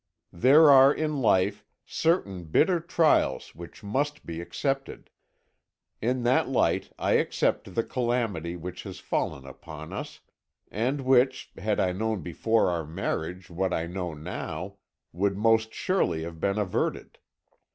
There are in life certain bitter trials which must be accepted; in that light I accept the calamity which has fallen upon us, and which, had I known before our marriage what I know now, would most surely have been averted.